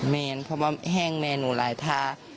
แมนเพราะว่าแห้งแมนหนูหลายท่า